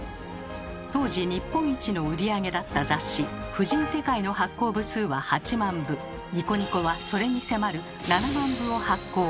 当時日本一の売り上げだった雑誌「婦人世界」の発行部数は「ニコニコ」はそれに迫る７万部を発行。